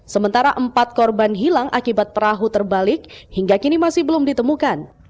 sementara empat korban hilang akibat perahu terbalik hingga kini masih belum ditemukan